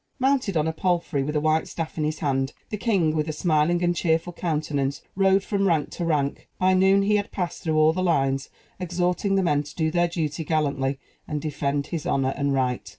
Mounted on a palfrey, with a white staff in his hand, the king, with a smiling and cheerful countenance, rode from rank to rank. By noon he had passed through all the lines exhorting the men to do their duty gallantly, and defend his honor and right.